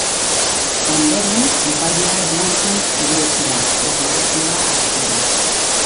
Ondoren, epailea joan zen erietxera, deklarazioa hartzera.